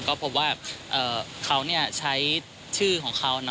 ก็พบว่าเขาใช้ชื่อของเขา